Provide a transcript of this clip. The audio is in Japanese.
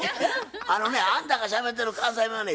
あのねあんたがしゃべってる関西弁はね